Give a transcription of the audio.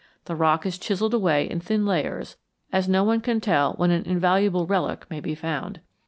The rock is chiselled away in thin layers, as no one can tell when an invaluable relic may be found.